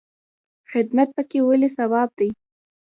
خدمت پکې ولې ثواب دی؟